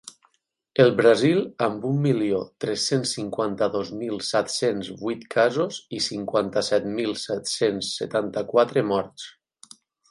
El Brasil, amb un milió tres-cents cinquanta-dos mil set-cents vuit casos i cinquanta-set mil set-cents setanta-quatre morts.